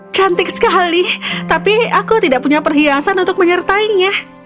cantik sekali tapi aku tidak punya perhiasan untuk menyertainya